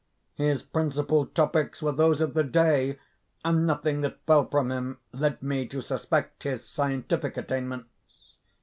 His principal topics were those of the day; and nothing that fell from him led me to suspect his scientific attainments.